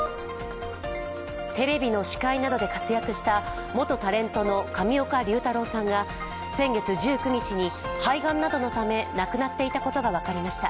テレビの司会などで活躍した元タレントの上岡龍太郎さんが先月１９日に肺がんなどのため亡くなっていたことが分かりました。